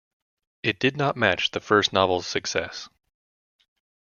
It did not match the first novel's success.